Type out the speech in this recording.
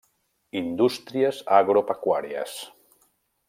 Indústries agropecuàries.